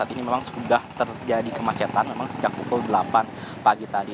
saat ini memang sudah terjadi kemacetan memang sejak pukul delapan pagi tadi